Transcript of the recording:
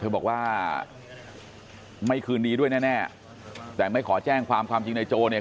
บอกว่าไม่คืนนี้ด้วยแน่แต่ไม่ขอแจ้งความความจริงในโจเนี่ย